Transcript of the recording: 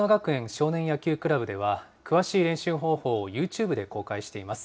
少年野球クラブでは、詳しい練習方法をユーチューブで公開しています。